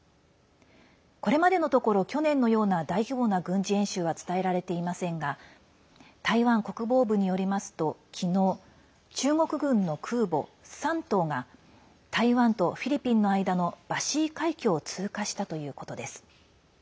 これまでのところ去年のような大規模な軍事演習は伝えられていませんが台湾国防部によりますと昨日、中国軍の空母・山東が台湾とフィリピンの間のバシー海峡を通過したということです。